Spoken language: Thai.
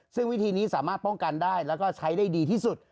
ซึ่งวิธีนี้สามารถป้องกันได้แล้วก็ใช้ได้ดีที่สุด